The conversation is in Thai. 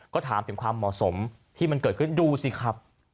ก็ถามถึงความเหมาะสมที่มันเกิดขึ้นดูสิครับ